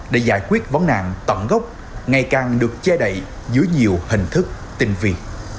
để giải quyết vấn nạn tận gốc ngày càng được che đậy dưới nhiều hình thức tinh vi